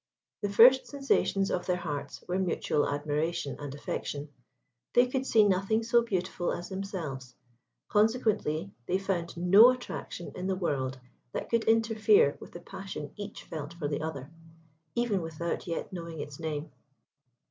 The first sensations of their hearts were mutual admiration and affection. They could see nothing so beautiful as themselves, consequently they found no attraction in the world that could interfere with the passion each felt for the other, even without yet knowing its name.